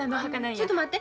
ちょっと待って。